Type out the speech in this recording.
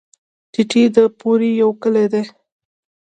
ټټۍ د بوري يو کلی دی.